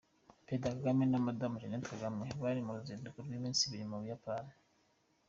Perezida Kagame na Madamu Jeannette Kagame bari mu ruzinduko rw’iminsi ibiri mu Buyapani.